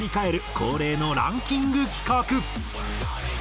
恒例のランキング企画。